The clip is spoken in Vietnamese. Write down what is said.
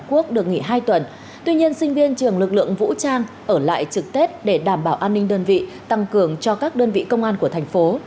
khuyên trường lực lượng vũ trang ở lại trực tết để đảm bảo an ninh đơn vị tăng cường cho các đơn vị công an của thành phố